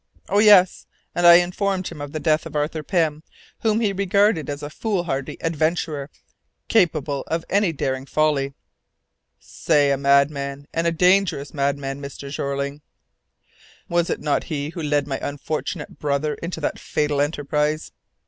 "Oh yes, and I informed him of the death of Arthur Pym, whom he regarded as a foolhardy adventurer, capable of any daring folly." "Say a madman, and a dangerous madman, Mr. Jeorling. Was it not he who led my unfortunate brother into that fatal enterprise?"